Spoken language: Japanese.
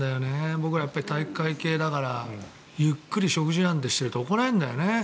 僕ら体育会系だからゆっくり食事なんてしてると怒られるんだよね。